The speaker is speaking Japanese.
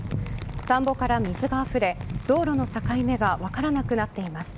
田んぼから水があふれ道路の境目が分からなくなっています。